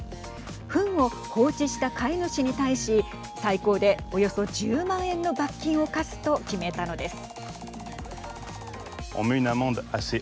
ふんを放置した飼い主に対し最高で、およそ１０万円の罰金を科すと決めたのです。